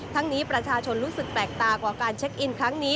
นี้ประชาชนรู้สึกแปลกตากว่าการเช็คอินครั้งนี้